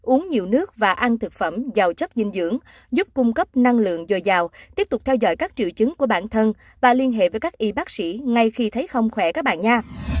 uống nhiều nước và ăn thực phẩm giàu chất dinh dưỡng giúp cung cấp năng lượng dồi dào tiếp tục theo dõi các triệu chứng của bản thân và liên hệ với các y bác sĩ ngay khi thấy không khỏe các bà nha